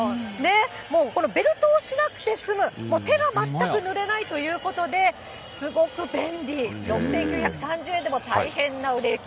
もうこのベルトをしなくて済む、もう手が全くぬれないということで、すごく便利、６９３０円でも大変な売れ行き。